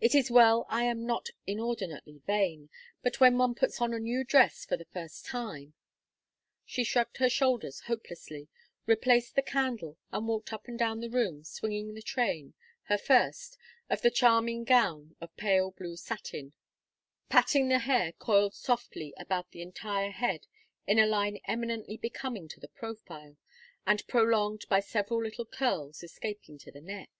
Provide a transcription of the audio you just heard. It is well I am not inordinately vain, but when one puts on a new dress for the first time " She shrugged her shoulders hopelessly, replaced the candle, and walked up and down the room swinging the train her first of the charming gown of pale blue satin; patting the hair coiled softly about the entire head in a line eminently becoming to the profile, and prolonged by several little curls escaping to the neck.